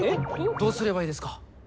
どうすればいいですか？